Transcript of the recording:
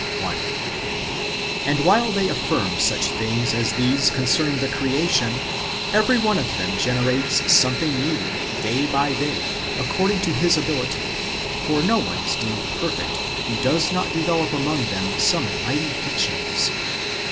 1. And while they afhrm such things as these concerning the creation, every one of them generates something new, day by day, according to his ability : for no one is deemed " perfect," who does not develop among them some mighty fictions.